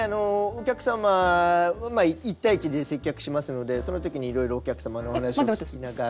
お客様一対一で接客しますのでそのときにいろいろお客様のお話を聞きながら。